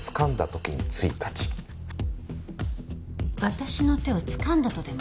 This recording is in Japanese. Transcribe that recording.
私の手をつかんだとでも？